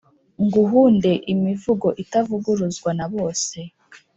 Nguhunde imivugo itavuguruzwa na bose?